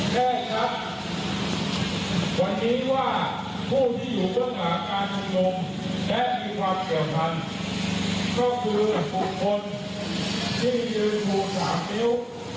แค่ครับวันนี้ว่าผู้ที่อยู่บ้างหาการส่งลงแค่มีความเกี่ยวพันก็คือ๖คนที่ยืนถูก๓นิ้ว